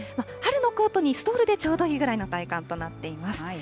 春のコートにストールでちょうどいいぐらいの体感となっています。